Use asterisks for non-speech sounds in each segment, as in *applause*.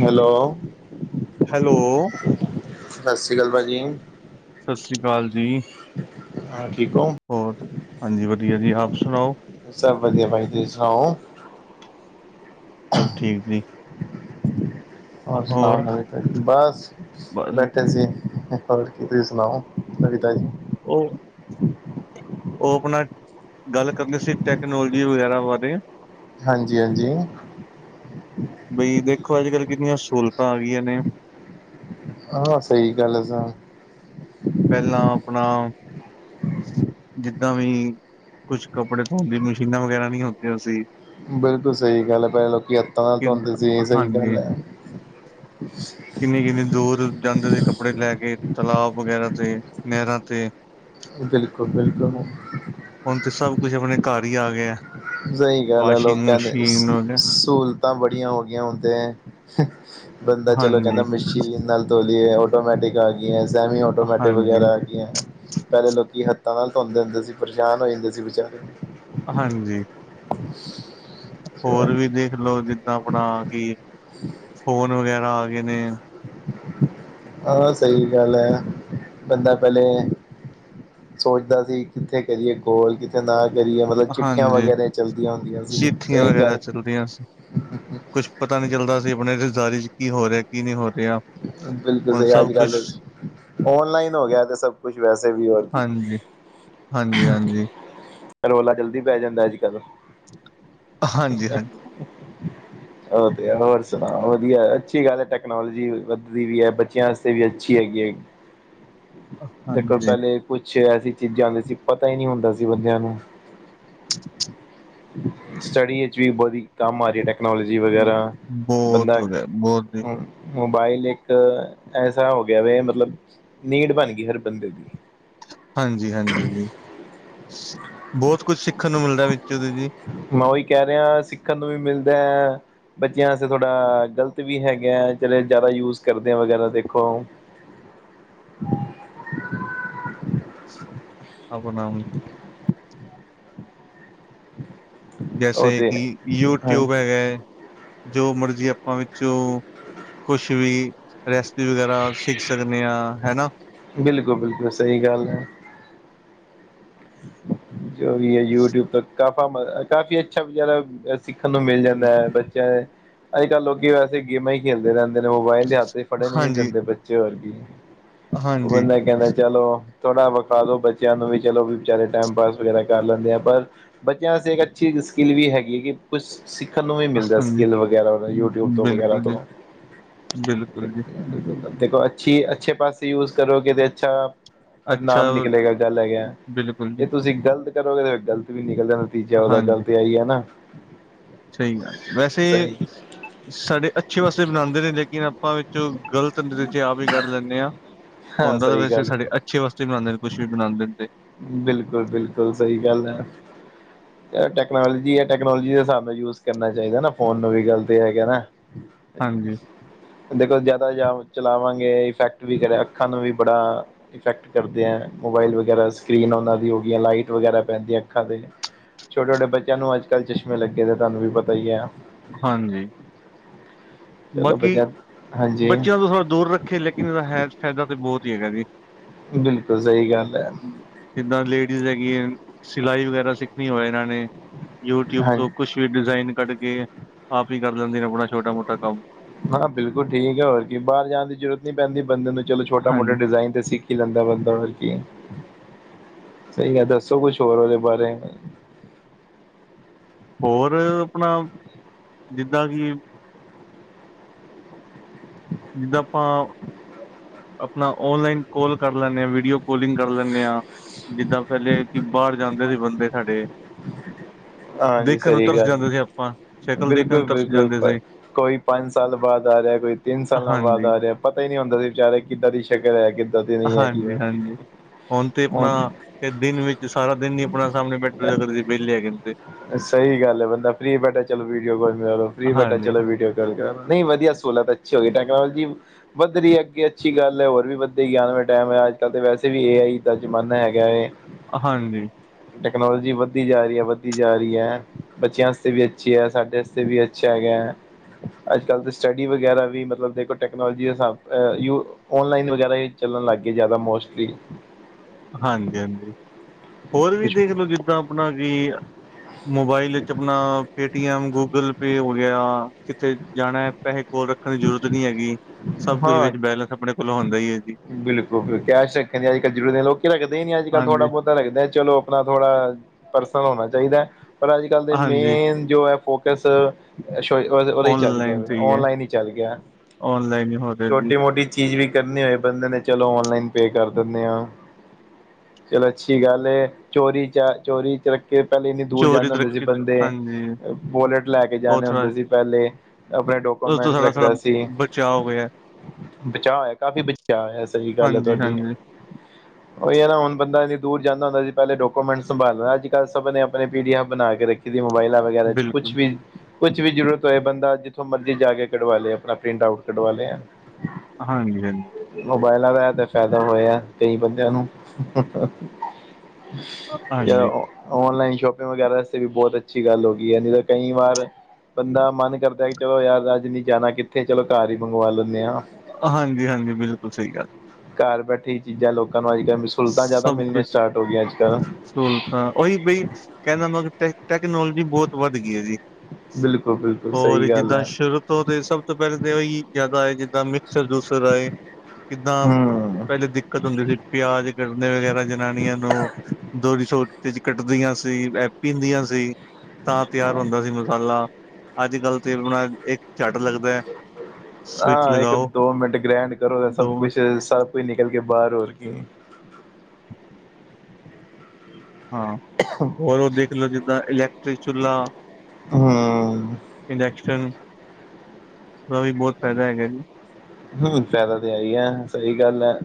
Hello hello? ਸਾਸ੍ਰੀਕਾਲ ਭਾਜੀ। ਸਾਸ੍ਰੀਕਾਲ ਦੀ। ਹਾਂ ਠੀਕ ਓਂ? ਹੋਰ, ਹਾਂਜੀ ਵਦੀਆ ਜੀ ਆਪ ਸੁਣਾਓ? ਸਬ ਵਦੀਆ ਭਾਜੀ ਤੁਸੀ ਸੁਣਾਓ? ਸਬ ਠੀਕ ਦੀ। ਔਰ ਸੁਨਾਓ ਨਵੀ -ਤਾਜੀ? ਬਸ ਬਸ ਬੈਠੇ ਸੀ। ਔਰ ਕੀ ਤੁਸੀ ਸੁਨਾਓ ਨਵੀ ਤਾਜੀ? ਓ ਓ ਆਪਣਾ ਗੱਲ ਕਰਨੀ ਸੀ ਟੈਕਨੋਲੋਜੀ ਵਗੈਰਾ ਬਾਰੇ। ਹਾਂਜੀ -ਹਾਂਜੀ ਬਈ ਦੇਖੋ, ਅੱਜ ਕੱਲ੍ਹ ਕਿੰਨੀਆਂ ਸੂਲਤਾਂ ਆਗੀਆਂ ਨੇ ਹਾਂ ਸਈ ਗੱਲ ਐ ਸ ਪੈਲਾਂ ਆਪਣਾ ਜਿੱਦਾਂ ਵਈਂ ਕੁਛ ਕੱਪੜੇ ਧੋਣ ਦੀ ਮਸ਼ੀਨਾਂ ਵਗੈਰਾ ਨਈ ਹੁੰਦੀਆਂ ਸੀ ਬਿਲਕੁਲ ਸਈ ਗੱਲ ਐ ਪੇਲ ਲੋਕੀ ਹੱਤਾਂ ਨਾਲ ਕਿ ਧੋਂਦੇ ਸੀ ਸਈ ਗੱਲ ਹਾਂਜੀ ਐ। ਕਿੰਨੀ -ਕਿੰਨੀ ਦੂਰ ਜਾਂਦੇ ਸੀ ਕੱਪੜੇ ਲੈ ਕੇ ਤਲਾਅ ਵਗੈਰਾ ਤੇ ਨੈਰਾਂ ਤੇ। ਬਿਲਕੁਲ-ਬਿਲਕੁਲ ਹੁਨ ਤੇ ਸਭ ਕੁਛ ਆਪਣੇ ਘਰ ਈ ਆ ਗਿਆ। ਸਈ ਗੱਲ ਐ ਵਾਸ਼ਿੰਗ ਲੋਕਾ ਦੇ ਮਸ਼ੀਨ ਵਗੈਰਾ। ਸਹੂਲਤਾਂ ਬੜੀਆਂ ਹੋ ਗਈਆਂ ਹੁਨ ਤੇ, ਬੰਦਾ ਚਲੋ ਕੈਂਦਾ ਹਾਂਜੀ ਮਸ਼ੀਨ ਨਾਲ ਧੋ ਲੀਏ ਆਟੋਮੈਟਿਕ ਆ ਗਈਆਂ, ਸੈਮੀ ਆਟੋਮੈਟਿਕ ਹਾਂਜੀ ਵਗੈਰਾ ਪੈਲੇ ਲੋਕੀ ਹੱਥਾਂ ਨਾਲ ਧੋਂਦੇ ਹੂੰਦੇ ਸੀ ਪਰੇਸ਼ਾਨ ਹੋ ਜਾਂਦੇ ਸੀ ਵਿਚਾਰੇ। ਹਾਂਜੀ। *inaudible* ਹੋਰ ਵੀ ਦੇਖਲੋ ਜਿੱਦਾਂ ਆਪਣਾ ਕਿ, ਫੋਨ ਵਗੈਰਾ ਆ ਗਏ ਨੇ ਆ ਸਈ ਗੱਲ ਏ ਬੰਦਾ ਪੈਲੇ ਸੋਚਦਾ ਸੀ ਕਿੱਥੇ ਕਰੀਏ ਕੋਲ ਕਿਥੇ ਨਾ ਕਰੀਏ, ਮਤਲਬ ਚਿੱਠੀਆਂ ਹਾਂਜੀ ਵਗੈਰਾ ਚੱਲਦੀਆਂ ਹੁੰਦੀਆਂ ਸੀ ਸਈ ਗੱਲ। ਕੁੱਛ ਪਤਾ ਨੀ ਚੱਲਦਾ ਸੀ ਆਪਨੇ ਰਿਸ਼ਤੇਦਾਰੀ ਚ ਕੀ ਹੋ ਰਿਆ ਕੀ ਨਈ ਹੋ ਰਿਆ। ਬਿਲਕੁਲ ਸਈ ਅੱਜ ਕੱਲ ਔਨਲਾਈਨ ਹੋ ਗਿਆ ਤੇ ਸਭ ਕੁਛ ਵੈਸੇ ਵੀ ਹੋਰ ਕੀ। ਹਾਂਜੀ ਹਾਂਜੀ- ਹਾਂਜੀ। ਰੋਲਾ ਜਲਦੀ ਪੈ ਜਾਂਦਾ ਅੱਜ- ਕੱਲ। ਹਾਂਜੀ ਹਾਂਜੀ ਉ ਤੇ ਹੈ, ਹੋਰ ਸੁਨਾੳ ਵਧੀਆ ਅੱਛੀ ਗੱਲ ਏ ਟੈਕਨੋਾਲੋਜੀ ਵੱਧਦੀ ਵੀ ਏ, ਬੱਚਿਆਂ ਵਾਸਤੇ ਵੀ ਅੱਛੀ ਹੈਗੀ ਏ, ਦੇਖੋ ਹਾਂਜੀ ਪੈਲੇ ਕੁਛ ਐਸੀ ਚੀਜ਼ਾਂ ਵੀ ਸੀ ਪਤਾ ਈ ਨੀ ਹੁੰਦਾ ਸੀ ਬੰਦਿਆਂ ਨੂੰ। ਸਟੱਡੀ ਵਿਚ ਵੀ ਬੜੀ ਕੰਮ ਆ ਰੀ ਐ ਟੈਕਨੋਲੋ ਜੀ ਵਗੈਰਾ, ਬਹੁਤ ਬੰਦਾ ਹੋ ਗਿਆ ਬਹੁਤ ਮੋਬਾਇਲ ਏਕ ਐਸਾ ਹੋ ਗਿਆ ਵੇ, ਮਤਲਬ ਨੀਡ ਬਾਨ ਗਈ ਹਰ ਬੰਦੇ ਦੀ। ਹਾਂਜੀ ਜੀ- ਹਾਂਜੀ ਜੀ। ਬੋਤ ਕੁਛ ਸਿੱਖਣ ਨੂੰ ਮਿਲਦਾ ਵਿੱਚੋ ਓਦੇ ਜੀ। ਮੈਂ ਉਈ ਕੈ ਰਿਅ। ਆ ਸਿੱਖਣ ਨੂੰ ਵੀ ਮਿਲਦੈ ਬੱਚਿਆਂ ਵਾਸਤੇ ਥੋੜ੍ਹਾ ਗ਼ਲਤ ਵੀ ਹੈਗੈ ਜੇੜੇ ਜਾਦਾ ਯੂਜ ਕਰਦੇ ਆ ਵਗੈਰਾ ਦੇਖੋ। ਅਪਣਾ- ਅਪ ਉਹ ਜੈਸੇ ਤੇ ਕਿ ਹਾਂ ਯੂਟਿਊਬ ਹੈਗੈ, ਜੋ ਮਰਜ਼ੀ ਆਪਾਂ ਵਿੱਚੋਂ ਕੁਛ ਵੀ ਰੈਸਪੀ ਵਗੈਰਾ ਸਿੱਖ ਸਕਨੇ ਹਾਂ ਹੈਨਾ। ਬਿਲਕੁਲ- ਬਿਲਕੁਲ ਸਈ ਗੱਲ ਐ। ਜੋ ਵੀ ਏ ਯੂਟਿਊਬ ਤ ਕਾਫਾ ਮ ਕਾਫੀ ਅੱਛਾ ਸਿੱਖਨ ਨੂੰ ਮਿਲ ਜਾਂਦੈ ਬੱਚਿਆ, ਅੱਜ ਕੱਲ੍ਹ ਲੋਕੀ ਵੈਸੇ ਗੇਮਾਂ ਈ ਖੇਲਦੇ ਰੈਂਦੇ ਨੇ ਮੋਬਾਇਲ ਤੇ ਹੱਥ ਚ ਫੜਨ ਈ ਨੀ ਹਾਂਜੀ, ਦਿੰਦੇ ਬੱਚੇ ਹੋਰਕੀ। ਹਾਂਜੀ, ਬੰਦਾ ਕੈਂਦਾ ਚਲੋ ਥੋੜਾ ਵਿਖਾਲੋ ਬੱਚਿਆਂ ਨੂੰ ਵੀ ਚਲੋ ਵੀ ਵਿਚਾਰੇ ਟਾਈਮ ਪਾਸ ਵਗੈਰਾ ਕਰ ਲੈਂਦੇ ਆ ਪਰ ਬੱਚਿਆਂ ਵਾਸਤੇ ਇੱਕ ਅੱਛੀ ਸਕਿੱਲ ਵੀ ਹੈਗੀ ਏ ਕਿ ਕੁਛ ਸਿੱਖਨ ਨੂੰ ਵੀ ਮਿਲਦਾ ਹਾਂਜੀ। ਸਕਿੱਲ ਵਗੈਰਾ ਯੂਟਿਊਬ ਤੋਂ ਵਗੈਰਾ ਬਿਲਕੁਲ ਜੀ, ਤੋਂ। ਬਿਲਕੁਲ ਜੀ, ਦੇਖੋ ਅੱਛੀ ਅੱਛੇ ਪਾਸੇ ਯੂਜ ਕਰੋਗੇ ਤੇ ਅੱਛਾ ਪਰ ਅੱਛਾ ਨਾਮ ਨਿਕਲੇਗਾ ਗੱਲ ਹੈਗਾ। ਬਿਲਕੁਲ ਜੀ। ਇਹ ਤੁਸੀਂ ਗ਼ਲਤ ਕਰੋਗੇ ਤੇ ਫੇਰ ਗ਼ਲਤ ਵੀ ਨਿਕਲਦਾ ਨਤੀਜਾ ਉਦਾ ਗਲ ਤੇ ਆ ਈ ਏ ਨਾ। ਸਈ ਗੱਲ ਏ ਵੈਸੇ ਸਹੀ ਸਾਡੇ ਅੱਛੇ ਵਾਸਤੇ ਬਨਾਦੇ ਨੇ ਲੇਕਿਨ ਆਪਾਂ ਵਿੱਚੋ ਗ਼ਲਤ ਨਤੀਜੇ ਆਪ ਹੀ ਕੱਢ ਲੈਂਨੇ ਆ। ਹਾਂ ਹੁੰਦਾ ਤਾਂ ਸਹੀ ਵੈਸੇ ਗੱਲ ਸਾਡੇ ਅੱਛੇ ਵਾਸਤੇ ਵੀ ਬਨਾਦੇ ਨੇ ਕੁੱਛ ਵੀ ਬਨਾਦੇ ਨੇ ਤੇ। ਬਿਲਕੁਲ -ਬਿਲਕੁਲ ਸਈ ਗੱਲ ਐ। ਟੈਕਨੋਲੋਜੀ ਏ ਟੈਕਨੋਲੋਜੀ ਦੇ ਹਿਸਾਬ ਨਾਲ ਯੂਜ ਕਰਨਾ ਚਾਈਦਾ ਨਾ ਫੋਨ ਨੂੰ ਵੀ ਗਲ ਤੇ ਐ ਹੈਗਾ ਨਾ। ਹਾਂਜੀ। ਦੇਖੋ ਜ਼ਿਆਦਾ *unintelligible* ਚਲਾਵਾਂਗੇ ਇਫੈਕਟ ਵੀ ਕਰੇ ਅੱਖਾਂ ਨੂੰ ਵੀ ਬੜਾ ਇਫੈਕਟ ਕਰਦੇ ਹੈ ਮੋਬਾਈਲ ਵਗੈਰਾ ਸਕਰੀਨ ਉਹਨਾਂ ਦੀ ਹੋ ਗਈ ਲਾਈਟ ਵਗੈਰਾ ਪੈਂਦੀ ਹੈ ਅੱਖਾਂ ਤੇ ਛੋਟੇ ਛੋਟੇ ਬੱਚਿਆਂ ਨੂੰ ਅੱਜ ਕੱਲ ਚਸ਼ਮੇ ਲੱਗੇ ਨੇ ਤੁਹਾਨੂੰ ਵੀ ਪਤਾ ਹੀ ਹੈ ਹਾਂਜੀ ਚਲੋ ਬਾਕੀ ਬੱਚਿਆਂ ਹਾਂਜੀ ਬੱਚਿਆਂ ਤੋਂ ਥੋੜ੍ਹਾ ਦੂਰ ਰੱਖੇ ਲੇਕਿਨ ਇਹਦਾ ਹੈ ਫਾਇਦਾ ਤੇ ਬਹੁਤ ਹੀ ਹੈਗਾ ਜੀ ਬਿਲਕੁਲ ਸਹੀ ਗੱਲ ਹੈ ਜਿੱਦਾਂ ਲੇਡੀਜ਼ ਹੈਗੀ ਹੈ ਸਿਲਾਈ ਵਗੈਰਾ ਸਿੱਖਣੀ ਹੋਵੇ ਇਹਨਾਂ ਨੇ ਯੂਟਿਊਬ ਤੋਂ ਹਾਂਜੀ ਕੁੱਛ ਵੀ ਡਿਜ਼ਾਇਨ ਕੱਢ ਕੇ ਆਪ ਹੀ ਕਰ ਲੈਂਦੇ ਨੇ ਆਪਣਾ ਛੋਟਾ ਮੋਟਾ ਕੰਮ। ਹਾਂ ਬਿਲਕੁਲ ਠੀਕ ਹੈ ਹੋਰ ਕੀ ਬਾਹਰ ਜਾਣ ਦੀ ਜੁਰਤ ਨਹੀਂ ਪੈਂਦੀ ਬੰਦੇ ਨੂੰ ਚਲੋ ਛੋਟਾ ਮੋਟਾ ਹਾਂਜੀ ਡਿਜਾਇਨ ਤੇ ਸਿੱਖ ਕੀ ਲੰਦਾ ਬੰਦਾ ਹੋਰ ਕੀ ਸਹੀ ਗਲ ਦੱਸੋ ਕੁੱਛ ਹੋਰ ਉਹਦੇ ਬਾਰੇ ਹੋਰ ਆਪਣਾ ਜਿੱਦਾਂ ਕਿ ਜਿੱਦਾਂ ਆਪਾਂ ਅਪਣਾ ਓਨਲਾਈਨ ਕੋਲ ਕਰ ਲੈਂਣੇ ਹਾਂ ਵੀਡੀਓ ਕੋਲਿੰਗ ਕਰ ਲੈਂਣੇ ਆਂ ਜਿੱਦਾਂ ਪਹਿਲੇ ਕਿ ਬਾਹਰ ਜਾਂਦੇ ਸੀ ਬੰਦੇ ਸਾਡੇ ਹਾਂਜੀ ਦੇਖਣ ਨੂੰ ਸਹੀ ਤਰਸ ਗੱਲ ਹੈ, ਜਾਂਦੇ ਸੀ ਆਪਾਂ ਸ਼ਕਲ ਦੇਖਣ ਬਿਲਕੁਲ ਨੂੰ ਤਰਸ ਜਾਂਦੇ ਬਿਲਕੁਲ ਸੀ ਕੋਈ ਪੰਜ ਸਾਲ ਬਾਅਦ ਆ ਰਿਹਾ ਕੋਈ ਤਿੰਨ ਸਾਲਾਂ ਬਾਅਦ ਹਾਂਜੀ ਆ ਰਿਹਾ ਪਤਾ ਹੀ ਨਹੀਂ ਹੁੰਦਾ ਸੀ ਵਿਚਾਰੇ ਕਿੱਦਾਂ ਦੀ ਸ਼ਕਲ ਹੈ ਕਿੱਦਾਂ ਦੀ ਨਹੀਂ ਹੈ ਕੀ ਹੋਇਆ ਹਾਂਜੀ ਕੀ ਨਹੀਂ ਫੇ ਦਿਨ ਵਿੱਚ ਸਾਰਾ ਦਿਨ ਨੀ ਆਪਣਾ ਸਾਹਮਣੇ ਬੇਠੈ *unintelligible* ਜੇ ਵੇਲੇ ਹੈਗੇ ਨ ਤੇ ਸਹੀ ਗੱਲ ਹੈ ਬੰਦਾ ਫਰੀ ਬੈਠਾ ਚਲੋ ਵੀਡੀਓ ਕੋਲ ਮਿਲਾ ਲੋ ਫਰੀ ਬੈਠਾ ਹਾਂਜੀ ਚਲੋ ਹਾਂਜੀ ਵੀਡੀਓ ਗੱਲ ਕਰ ਲਾਂ ਨਹੀਂ ਵਧੀਆ ਸਹੂਲਤ ਅੱਛੀ ਹੋ ਗਈ ਟੈਕਨੋਲੋਜੀ ਵੱਧ ਰਹੀ ਹੈ ਅੱਗੇ ਅੱਛੀ ਗੱਲ ਹੈ ਹੋਰ ਵੀ ਵੱਧੇਗੀ ਆਣ ਆਲੇ ਟਾਈਮ ਹੈ ਅੱਜ ਕੱਲ ਤੇ ਵੈਸੇ ਵੀ ਏ ਆਈ ਦਾ ਜ਼ਮਾਨਾ ਹੈਗਾ ਹੈ ਹਾਂਜੀ ਟੈਕਨੋਲੋਜੀ ਵੱਧਦੀ ਜਾ ਰਹੀ ਹੈ ਵੱਧਦੀ ਜਾ ਰਹੀ ਹੈ ਬੱਚਿਆਂ ਵਸਤੇ ਵੀ ਅੱਛੀ ਹੈ ਸਾਡੇ ਵਸ ਤੇ ਵੀ ਅੱਛਾ ਹੈਗੈ ਅੱਜ ਕੱਲ ਤੇ ਸਟੱਡੀ ਵਗੈਰਾ ਵੀ ਮਤਲਬ ਦੇਖੋ ਟੈਕਨੋਲਜੀ ਦੇ ਹਿਸਾਬ ਅ ਯੁ ਔਨਲਾਈਨ ਵਗੈਰਾ ਹੀ ਚੱਲਣ ਲੱਗ ਗਏ ਜ਼ਿਆਦਾ ਮੋਸਟਲੀ ਹਾਂਜੀ ਹਾਂਜੀ ਹੋਰ ਵੀ ਕੁਛ ਦੇਖ ਲਓ ਜਿੱਦਾਂ ਆਪਣਾ ਕਿ ਮੋਬਾਈਲ ਇੱਚ ਆਪਣਾ ਪੇਟੀਐਮ ਗੂਗਲ ਪੇ ਹੋ ਗਿਆ ਤੇ ਥੇ ਜਾਣਾ ਪੈਹੇ ਕੋਲ ਰੱਖਣ ਦੀ ਜ਼ਰੂਰਤ ਨੀ ਹੈਗੀ ਸਭ ਕੁੱਛ ਹਾਂ ਵਿੱਚ ਬੈਲੇੈਂਸ ਆਪਣੇ ਕੋਲੋਂ ਹੁੰਦਾ ਹੀ ਹੈ ਜੀ ਬਿਲਕੁਲ ਕੈਸ਼ ਰੱਖਣ ਦੀ ਅਜ ਕੱਲ ਜ਼ਰੂਰੀ ਲੋਕੀ ਰਖਦੇ ਨੀ ਅਜੱਕਲ ਥੋੜ੍ਹਾ ਹਾਂਜੀ ਬਹੁਤ ਲੱਗਦਾ ਚਲੋ ਆਪਣਾ ਥੋੜ੍ਹਾ ਪਰਸਨਲ ਹੋਣਾ ਚਾਹੀਦਾ ਹੈ ਪਰ ਏਹੋ ਜਈ ਕੱਲ ਦੇ ਹਾਂਜੀ ਮੇਨ ਜੋ ਹੈ ਫੋਕ ਕਸ *unintelligible* ਉਹਦਾ ਹੀ ਚੱਲ ਗਿਆ ਔਨਲਾਈਨ ਤੇ ਹੈ। ਔਨਲਾਈਨ ਹੀ ਚੱਲ ਗਿਆ ਔਨਲਾਈਨ ਹੀ ਹੋ ਰਿਹਾ ਜੀ ਛੋਟੀ ਮੋ ਮੋਟੀ ਚੀਜ਼ ਵੀ ਕਰਨੀ ਹੋਏ ਬੰਦੇ ਨੇ ਚਲੋ ਔਨਲਾਈਨ ਪੇ ਕਰ ਦੇਣੇ ਆਂ ਚਲੋ ਅੱਛੀ ਗੱਲ ਹੈ ਚੋਰੀ ਚ ਚੋਰੀ ਚ ਕਿ ਪਹਿਲੇ ਇੰਨੀ ਦੂਰ ਚੋਰੀ ਜਾਂਦੇ ਹੁੰਦੇ ਸੀ ਤਰੱਕੀ ਬੰਦੇ ਹਾਂਜੀ ਵੋਲਟ ਲੈ ਕੇ ਉਹ ਜਾਣੇ ਥੋੜਾ ਹੁੰਦੇ ਸੀ ਪਹਿਲੇ ਆਪਣੇ ਉਸ ਤੋਂ ਡੋਕੂਮੈਂਟਸ ਸਾਡਾ ਸਾ ਬਚਾਅ ਹੋਇਆ ਬਚਾਅ ਹੋਇਆ ਕਾਫ਼ੀ ਬਚਾਅ ਹੋਇਆ ਸਹੀ ਗੱਲ ਹੈ ਹਾਂਜੀ ਤੁਹਾਡੀ ਹਾਂਜੀ *inaudible* ਉਹੀ ਹੈ ਨਾ ਹੁਣ ਬੰਦਾ ਇੰਨੀ ਦੂਰ ਜਾਂਦਾ ਹੁੰਦਾ ਸੀ ਪਹਿਲੇ ਡੋਕੂਮੈਂਟ ਸੰਭਾਲੈਂਣਾ ਅੱਜ ਕੱਲ ਸਭ ਨੇ ਆਪਣੇ ਪੀ ਡੀ ਐਫ ਬਣਾ ਕੇ ਰੱਖੀ ਕੀ ਦੀ ਮੋਬਾਇਲਾਂ ਵਗੈਰਾ ਚ ਕੁੱਛ ਬਿਲਕੁਲ ਵੀ ਕੁੱਛ ਵੀ ਜਰੂਰਤ ਹੋਏ ਬੰਦਾ ਜਿੱਥੋਂ ਮਰਜ਼ੀ ਜਾ ਕੇ ਕਢਵਾ ਲੇ ਆਪਣਾ ਪ੍ਰਿੰਟ ਆਊਟ ਕਢਵਾ ਲੇ ਹਾਂਜੀ ਹਾਂਜੀ ਮੋਬਾਇਲਾਂ ਦਾ ਐ ਤੇ ਫ਼ਾਇਦਾ ਹੋਇਆ ਕਈ ਬੰਦਿਆਂ ਨੂੰ ਹਾਂਜੀ *unintelligible* ਔਨਲਾਈਨ ਸ਼ੋਪਿੰਗ ਵਗੈਰਾ ਵਾਸਤੇ ਵੀ ਬੋਤ ਅੱਛੀ ਗੱਲ ਹੋ ਗਈ ਹੈ ਨਹੀਂ-ਤੇ ਕਈ ਵਾਰ ਬੰਦਾ ਮਨ ਕਰਦਾ ਕਿ ਚਲੋ ਯਾਰ ਅੱਜ ਨੀ ਜਾਣਾ ਕਿੱਥੇ ਚਲੋ ਘਰ ਹੀ ਮੰਗਵਾ ਲੈਂਨੇ ਆ ਹਾਂਜੀ ਹਾਂਜੀ ਬਿਲਕੁਲ ਸਹੀ ਗੱਲ ਘਰ ਬੈਠੇ ਹੀ ਚੀਜ਼ਾਂ ਲੋਕਾਂ ਨੂੰ ਅੱਜ ਕੱਲ ਮਿ ਸਭ ਕੁਛ ਸੂਲ ਤਾਂ ਉਹੀ ਬਈ ਕਹਿੰਨ ਦਾ ਮਤਲ ਟੈ ਟੈਕਨੋਲੋਜੀ ਬੋਤ ਵੱਧ ਗਈ ਹੈ ਜੀ ਬਿਲਕੁਲ ਬਿਲਕੁਲ ਹੋਰ ਸਹੀ ਗੱਲ ਜਿੱਦਾਂ ਹੈ ਸ਼ੁਰੂ ਤੋਂ ਤੇ ਸਭ ਸਭ ਤੋਂ ਪਹਿਲਾਂ ਤਾਂ ਉਹੀ ਜੈਦਾ ਆਏ ਜਿੱਦਾਂ ਮਿਕਸਰ ਜੂਸਰ ਆਏ ਕਿਦਾ ਹਮ ਪਹਿਲੇ ਦਿੱਕਤ ਹੁੰਦੀ ਸੀ ਪਿਆਜ ਕਟਨੇ ਵਗੈਰਾ ਜਨਾਨੀਆਂ ਨੂੰ ਦੋਰੀ ਸੋ ਵਿਚ ਕੱਟਦੀਆਂ ਸੀ ਇਹ ਪੀਂਦੀਆਂ ਸੀ ਤਾਂ ਤਿਆਰ ਹੁੰਦਾ ਸੀ ਮਤ ਮਸਾਲਾ ਅੱਜ ਕੱਲ ਤੇ ਆਪਣਾ ਇੱਕ ਝੱਟ ਲੱਗਦਾ ਹੈ ਸਵਿਚ ਆ ਇੱਕ ਲਗਾਓ ਦੋ ਮਿੰਟ ਗ੍ਰੈਂਡ ਕਰੋ ਤੇ ਸਭ ਦੋ ਮਿੰਟ ਕੁਸ਼ ਸ ਕੋਈ ਨਿਕਲ ਕੇ ਬਾਹਰ ਹੋਰ ਕੀ ਹਾਂ ਹੋਰ ਉਹ ਦੇਖਲੋ ਜਿੱਦਾਂ ਇਲੈਕਟ੍ਰਿਕ ਚੁੱਲਾ ਹਮ ਇੰਡਸ਼ਕਨ ਦਾ ਵੀ ਬੋਤ ਫੈਦਾ ਹੈਗਾ ਜੀ ਹੁ ਫੈਦਾ ਤੇ ਹੈ ਈ ਏ ਸਹੀ ਗੱਲ ਹੈ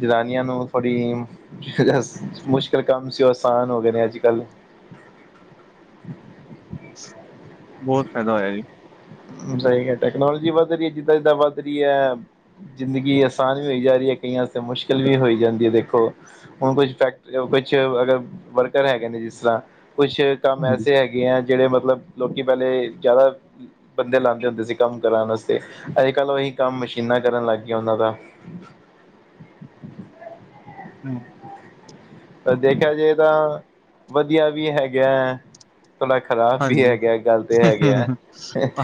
ਜਨਾਨੀਆਂ ਨੂੰ ਥੋੜ੍ਹੀ ਮੁਸ਼ਕਲ ਕੰਮ ਸੀ ਉਹ ਅਸਾਨ ਹੋ ਗਏ ਨੇ ਅੱਜ ਕੱਲ ਬੋਤ ਫੈ਼ਦਾ ਹੋਇਆ ਜੀ ਸਹੀ ਗੱਲ ਟੈਕਨੋਲੋਜੀ ਵੱਧ ਰਹੀ ਹੈ ਜਿੱਦਾਂ ਜਿੱਦਾਂ ਵੱਧ ਰਈ ਐ ਜ਼ਿੰਦਗੀ ਅਸਾਨ ਵੀ ਹੋਈ ਜਾ ਰਹੀ ਹੈ ਕਈਆਂ ਆਸਤੇ ਮੁਸ਼ਕਿਲ ਵੀ ਹੋਈ ਜਾਂਦੀ ਹੈ ਦੇਖੋ ਹੁਣ ਕੁਛ ਫੈਕਟ਼ ਵਿੱਚ ਅਗਰ ਵਰਕਰ ਹੈਗੇ ਨੇ ਜਿਸ ਤਰ੍ਹਾਂ ਕੁਸ਼ ਕੰਮ ਹਾਂਜੀ ਐਸੇ ਹੈਗੇ ਐ ਜਿਹੜੇ ਮਤਲਬ ਲੋਕੀ ਪਹਿਲੇ ਜੈਦਾ ਬੰਦੇ ਲਾਂਦੇ ਹੁੰਦੇ ਸੀ ਕੰਮ ਕਰਾਣ ਆਸਤੇ ਅੱਜ ਕੱਲ੍ਹ ਉਹੀ ਕੰਮ ਮਸ਼ੀਨਾਂ ਕਰਨ ਲੱਗ ਗਈਆਂ ਉਹਨਾਂ ਦਾ। ਹੂੰ ਦੇਖਿਆ ਜਾਏ ਤਾਂ ਵਧੀਆ ਵੀ ਹੈਗਾ। ਥੋੜ੍ਹਾ ਖਰਾਬ ਵੀ ਹਾਂਜੀ ਹੈਗਾ ਗਲਤ ਹੈਗੇ ਆ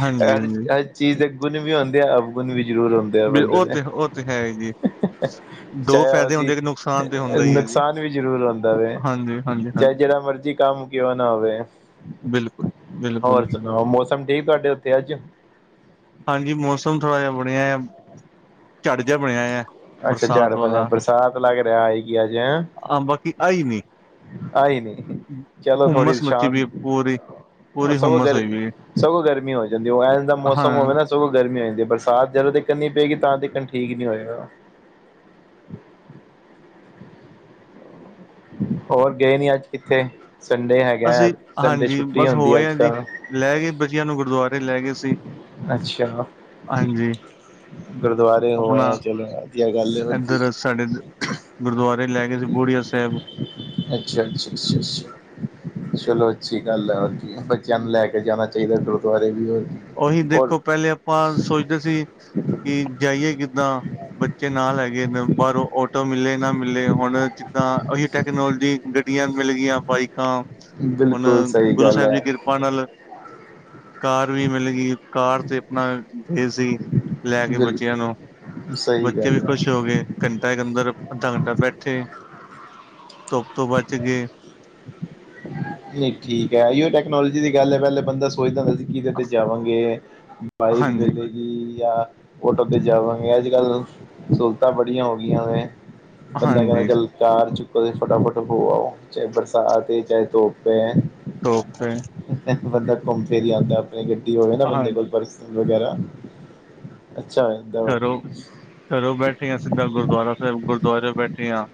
ਹਾਂਜੀ ਹਾਂਜੀ ਅ ਚੀਜ਼ ਦੇ ਗੁਨ ਵੀ ਹੁੰਦੇ ਆ ਅਵਗੁਨ ਵੀ ਜ਼ਰੂਰ ਹੁੰਦ ਹੁੰਦੇ ਉਹ ਵੀ ਆ ਤੇ ਉਹ ਤੇ ਹੈ ਜੀ ਬੰਦੇ ਦੇ, ਦੋ ਚਾਹੇ ਫਾਇਦੇ ਅਸੀਂ ਹੁੰਦੇ ਕਿ ਨੁਕਸਾਨ ਤੇ ਹੁੰਦਾ ਹੀ ਹੈ ਜੀ ਨੁਕਸਾਨ *unintelligible* ਵੀ ਜ਼ਰੂਰ ਹੁੰਦਾ ਵੇ, ਹਾਂਜੀ ਹਾਂਜੀ ਚਾਹੇ ਹਾਂਜੀ ਜੈਹੜਾ ਮਰਜ਼ੀ ਕੰਮ ਕਿਉਂ ਨਾ ਹੋਵੇ। ਬਿਲਕੁਲ ਬਿਲਕੁਲ ਹੋਰ ਸੁਣਾਓ ਮੌਸਮ ਠੀਕ ਤੁਹਾਡੇ ਉੱਥੇ ਅੱਜ? ਹਾਂਜੀ ਮੌਸਮ ਥੋੜ੍ਹਾ ਜਿਹਾ ਬਣਿਆ ਝੜ ਜਿਹਾ ਬਣਿਆ ਐ। ਅੱਛਾ ਝੜ ਬਣਿਆ ਬਰਸਾਤ ਲੱਗ ਰਿਹਾ ਆਏਗੀ ਅੱਜ ਐ। ਹਾਂ ਬਾਕੀ ਆਈ ਨੀ। ਆਈ ਨੀ ਚੱਲੋ ਥੋੜੀ ਹੁੰਮਸ ਸ਼ਾ ਮੱਚੀ ਵੀ ਪੂਰੀ ਉਹ ਪੂਰੀ ਸਗੋਂ ਹੁੰਮਸ ਗਰ ਹੋਈ ਵੀ ਸਗੋਂ ਗਰਮੀ ਹੋ ਜਾਂਦੀ ਉਹ ਐਵ ਦਾ ਮੌਸਮ ਹਾਂ ਹੋਵੇ ਨਾ ਸਗੋਂ ਗਰਮੀਂ ਹੋ ਜਾਂਦੀ ਏ ਬਰਸਾਤ ਜਦੋਂ ਤੀਕਨ ਨੀ ਪਏਗੀ ਤਾਂ ਤੀਕਨ ਠੀਕ ਈ ਨੀ ਹੋਏਗਾ। ਹੋਰ ਗਏ ਨੀ ਅੱਜ ਕਿੱਥੇ ਸੰਡੇ ਹੈਗਾ ਅਸੀਂ ਸੰਡੇ ਹਾਂਜੀ ਛੁੱਟੀ ਬਸ ਹੁੰਦੀ ਹੋਏ ਅੱਜ ਆ ਜੀ ਕੱਲ? ਲੈ ਗਏ ਬੱਚੇਆਂ ਨੂੰ ਗੁਰਦੁਆਰੇ ਲੈ ਗਏ ਸੀ। ਅੱਛਾ ਹਾਂਜੀ ਗੁਰਦੁਆਰੇ ਹੋ ਆਪਣਾ ਆਏ ਚਲੋ ਵਧੀਆ ਗੱਲ ਏ ਹੋਰ ਕੀ। ਸਾਡੇ ਇੱਧ ਗੁਰੂਦੁਆਰੇ ਲੈ ਗਏ ਸੀ ਬੋੜੀਆ ਸਾਹਿਬ। ਅੱਛਾ ਅੱਛਾ ਅੱਛਾ ਅੱਛਾ ਚਲੋ ਅੱਛੀ ਗੱਲ ਐ ਹੋਰ ਕੀ ਬੱਚਿਆਂ ਨੂੰ ਲੈ ਲੈ ਕੇ ਜਾਨਾ ਚਾਹੀਦਾ ਗੁਰਦੁਆਰੇ ਵੀ ਹੋਰ ਕੀ। ਉਹੀ ਦੇਖੋ ਪਹਿਲੇ ਆਪਾਂ ਸੋਚਦੇ ਸੀ ਕਿ ਜਾਈਏ ਕਿੱਦਾਂ। ਬੱਚੇ ਨਾਲ ਹੈਗੇ ਨੇ ਬਾਹਰੋਂ ਆਟੋ ਮਿਲੇ ਨਾ ਮਿਲੇ ਹੁਣ ਜਿੱਦਾਂ ਉਹੀ ਟੈਕਨੋਲੋਜੀ ਗੱਡੀਆਂ ਮਿਲ ਗਈਆਂ ਬਾਈਕਾਂ, ਹੁਣ ਬਿਲਕੁਲ ਸਹੀ ਗੁਰੂ ਗੱਲ ਸਾਹਿਬ ਹੈ ਦੀ ਕਿਰਪਾ ਨਾਲ ਕਾਰ ਵੀ ਮਿਲਗੀ ਕਾਰ ਤੇ ਆਪਣਾ ਗਏ ਸੀ ਲੈ ਕੇ ਬੱਚਿਆਂ ਬਿਲਕੁਲ ਨੂੰ, ਸਹੀ ਬੱਚੇ ਗੱਲ ਵੀ ਹੈ ਖ਼ੁਸ਼ ਹੋ ਗਏ। ਘੰਟਾ ਇੱਕ ਅੰਦਰ ਅੱਧਾ ਘੰਟਾ ਬੈਠੇ, ਧੁੱਪ ਤੋਂ ਬਚ ਗਏ। ਨਹੀਂ ਠੀਕ ਐ, ਓਹੀਓ ਟੈਕਨੋਲੋਜੀ ਦੀ ਗੱਲ ਐ ਪਹਿਲੇ ਬੰਦਾ ਸੋਚਦਾ ਹੁੰਦਾ ਸੀ ਜਿਹਦੇ ਤੇ ਜਾਵਾਂਗੇ, ਬਾਈਕ ਹਾਂਜੀ ਵੇਲੇ ਜਾਂ ਓਟੋ ਤੇ ਜਾਂਵਾਂਗੇ ਅੱਜ ਕੱਲ ਸਹੂਲਤਾਂ ਬੜੀਆਂ ਹੋ ਗਈਆਂ ਨੇ। ਬੰਦਾ ਕਹਿੰਦਾ ਹਾਂਜੀ ਚੱਲ ਕਾਰ ਚੁੱਕੋ ਤੇ ਫਟਾਫਟ ਹੋ ਆਓ, ਚਾਹੇ ਬਰਸਾਤ ਏ ਚਾਹੇ ਧੁੱਪ ਧੁੱਪ ਐ। ਧੁੱਪ ਐ। ਬੰਦਾ ਘੁੰਮ ਫਿਰ ਆਂਦਾ ਆਪਣੀ ਗੱਡੀ ਹੋਵੇ ਨਾ ਹਾਂ ਬੰਦੇ ਕੋਲ ਬਸ ਵਗੈਰਾ ਅੱਛਾ ਐ। ਘਰੋਂ-ਘਰੋਂ ਬੈਠੇ ਆ ਸਿੱਧਾ ਗੁਰਦੁਆਰਾ ਸਾਹਿਬ, ਗੁਰਦੁਆਰੇਓ ਬੈਠੇ ਆ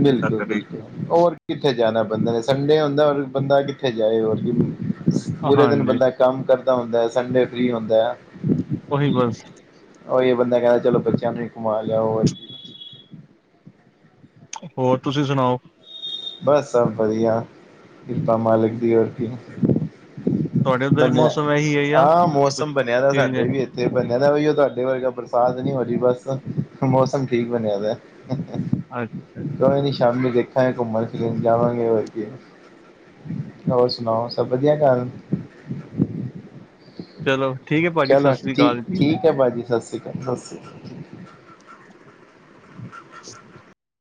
ਬਿਲਕੁਲ, ਬਿਲਕੁਲ। ਹੋਰ ਕਿੱਥੇ ਜਾਣਾ ਬੰਦਾ ਨੇ, ਸੰਡੇ ਹੁੰਦਾ ਹੋਰ ਬੰਦਾ ਕਿੱਥੇ ਜਾਏ ਹੋਰ ਕੀ। ਪੂਰੇ ਦਿਨ ਹਾਂਜੀ ਬੰਦਾ ਕੰਮ ਕਰਦਾ ਹੁੰਦਾ, ਸੰਡੇ ਫ੍ਰੀ ਹੁੰਦਾ ਆ। ਉਹੀ ਬਸ। ਉਹੀ ਇਹ ਬੰਦਾ ਕਹਿੰਦਾ ਚਲੋ ਬੱਚਿਆਂ ਨੂੰ ਘੁੰਮਾ ਲਿਆਉ। ਹੋਰ ਤੁਸੀਂ ਸੁਣਾਓ? ਬਸ ਸਭ ਵਧੀਆ ਕਿਰਪਾ ਮਾਲਿਕ ਦੀ ਹੋਰ ਕੀ। ਤੁਹਾਡੇ ਉੱਧਰ ਬਣੀਆ, ਮੌਸਮ ਇਹੀ ਹੈ ਜਾਂ ਹਾਂ ਕੁਛ ਮੌਸਮ ਬਣਿਆ ਦਾ ਚੇਂਜ ਹੈ ਸਾਡੇ ਵੀ ਇ ਤੇ ਬੰਨਿਆ ਦਾ ਬਈ ਉਹ ਤੁਹਾਡੇ ਵਰਗਾ। ਬਰਸਾਤ ਨਹੀਂ ਹੋ ਰਹੀ ਬਸ, ਮੌਸਮ ਠੀਕ ਬਣਿਆ ਦਾ। *inaudible* ਅੱਛ ਕੋਈ ਨੀ ਸ਼ਾਮੀ ਦੇਖਾਂਗੇ ਘੁੰਮਣ ਜੀਮ ਜਾਵਾਂਗੇ ਹੋਰ ਕੀ। ਹੋਰ ਸੁਣਾਓ ਸਭ ਵਧੀਆ ਘਰ ਚਲੋ ਠੀਕ ਹੈ ਭਾਜੀ ਸਤਿ ਚਲੋ ਸ਼੍ਰੀ ਠੀਕ ਅਕਾਲ ਜੀ। ਠੀਕ ਹੈ ਭਾਜੀ ਸਤਿ ਸ਼ੀ੍ ਅਕਾਲ। ਸਤਿ ਸ਼੍ਰੀ ਅਕਾਲ। ਹ *inaudible* *inaudible*